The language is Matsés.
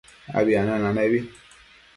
Abi anuenanebi